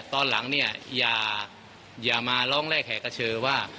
ตอนหลังเนี่ยอย่ามาร้องแรกแห่กระเชอว่า